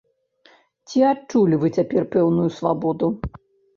Ці адчулі вы цяпер пэўную свабоду?